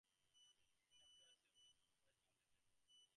Chapter on San Francisco by Charles Radebaugh.